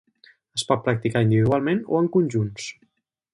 Es pot practicar individualment o en conjunts.